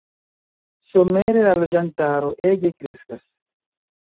Somere la loĝantaro ege kreskas.